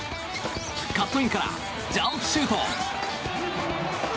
カットインからジャンプシュート！